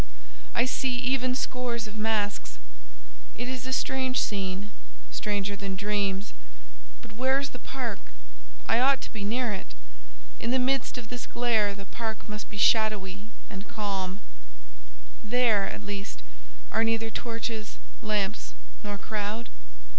I see even scores of masks. It is a strange scene, stranger than dreams. But where is the park?—I ought to be near it. In the midst of this glare the park must be shadowy and calm—there, at least, are neither torches, lamps, nor crowd?